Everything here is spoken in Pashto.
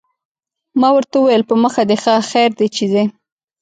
ما ورته وویل: په مخه دې ښه، خیر دی چې ځې.